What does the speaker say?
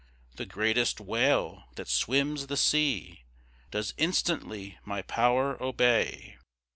The greatest whale that swims the sea Does instantly my power obey.